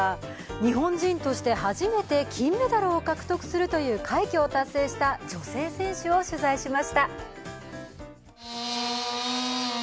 日本人として初めて金メダルを獲得するという快挙を達成した女性選手を取材しました。